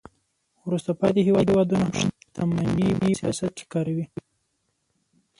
وروسته پاتې هیوادونه هم شتمني په سیاست کې کاروي